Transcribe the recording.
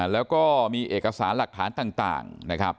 แล้วก็มีเอกสารหลักฐานต่าง